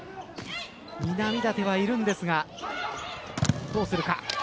南舘はいるんですがどうするか。